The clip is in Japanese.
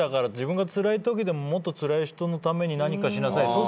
自分がつらいときでももっとつらい人のために何かしなさい。